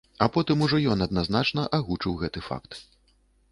А потым ужо ён адназначна агучыў гэты факт.